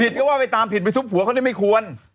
ผิดก็ว่าไปตามผิดหลับผาว่านี่ไม่ควร